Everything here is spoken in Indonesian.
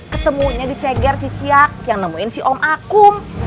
ketemunya di ceger ciciak yang nemuin si om akum